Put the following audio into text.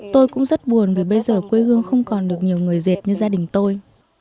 tôi cũng rất buồn vì bây giờ quê hương không còn được nhiều người dệt như gia đình tôi